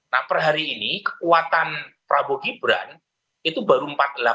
nah perhari ini kekuatan prabowo gibran itu baru empat puluh delapan empat puluh sembilan